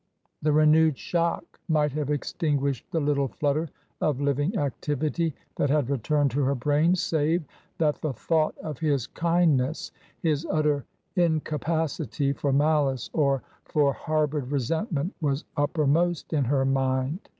the renewed shock might have extinguished the little flutter of living activity that had returned to her brain, save that the thought of his kindness — his utter inca pacity for malice or for harboured resentment — ^was uppermost in her mind.